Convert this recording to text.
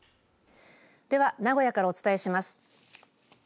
では、名古屋からお伝えします。